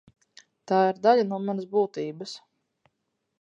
Tā ir daļa no manas būtības.